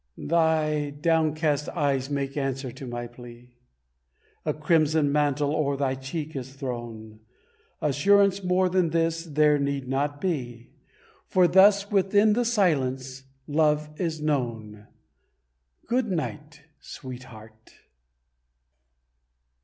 Thy downcast eyes make answer to my plea; A crimson mantle o'er thy cheek is thrown Assurance more than this, there need not be, For thus, within the silence, love is known. Good night, Sweetheart.